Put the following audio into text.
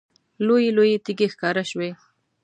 لویې لویې تیږې ښکاره شوې.